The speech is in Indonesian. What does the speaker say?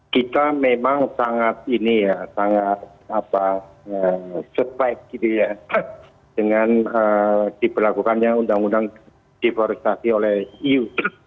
kita memang sangat ini ya sangat survive gitu ya dengan diperlakukannya undang undang deforestasi oleh iu